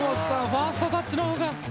ファーストタッチの方が」